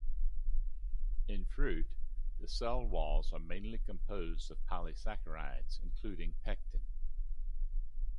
In fruit, the cell walls are mainly composed of polysaccharides including pectin.